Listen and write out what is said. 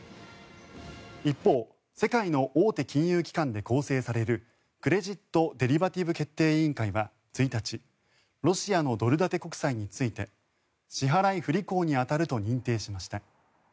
一方、世界の大手金融機関で構成されるクレジット・デリバティブ決定委員会は１日ロシアのドル建て国債について支払い不履行に当たると認定しました。